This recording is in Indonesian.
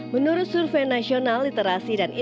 menurut survei nasional literasi dan ekonomi